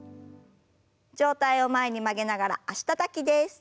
上体を前に曲げながら脚たたきです。